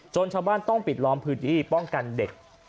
ชาวบ้านต้องปิดล้อมพื้นที่ป้องกันเด็ก